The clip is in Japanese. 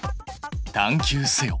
探究せよ。